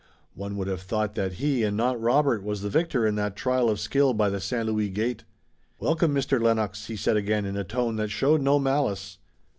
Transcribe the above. One would have thought that he and not Robert was the victor in that trial of skill by the St. Louis gate. "Welcome, Mr. Lennox," he said again in a tone that showed no malice.